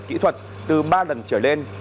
kỹ thuật từ ba lần trở lên